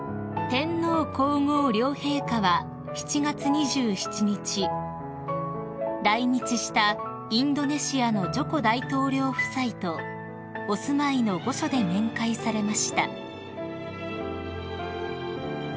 ［天皇皇后両陛下は７月２７日来日したインドネシアのジョコ大統領夫妻とお住まいの御所で面会されました］